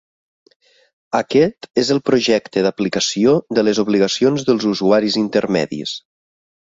Aquest és el projecte d'aplicació de les obligacions dels usuaris intermedis.